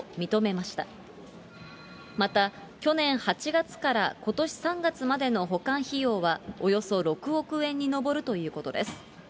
また去年８月からことし３月までの保管費用はおよそ６億円に上るということです。